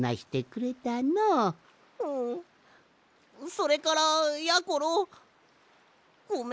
それからやころごめん。